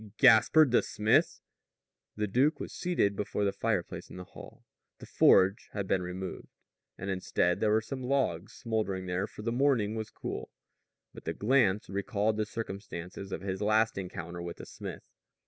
"Gaspard the smith?" The duke was seated before the fireplace in the hall. The forge had been removed; and instead there were some logs smoldering there, for the morning was cool. But his glance recalled the circumstances of his last encounter with the smith.